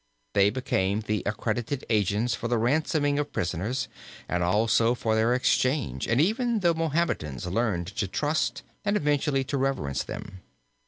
They became the accredited agents for the ransoming of prisoners, and also for their exchange and even the Mahometans learned to trust and eventually to reverence them.